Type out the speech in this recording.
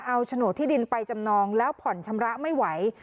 เอาโฉนดที่ดินไปจำนองแล้วผ่อนชำระไม่ไหว